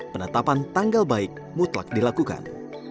penetapan tanggal baik mutlak dilakukan